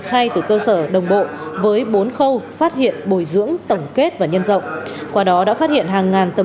hãy đăng ký kênh để ủng hộ kênh của mình nhé